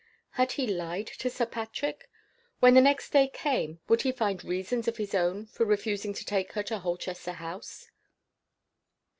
_ Had he lied to Sir Patrick? When the next day came would he find reasons of his own for refusing to take her to Holchester House?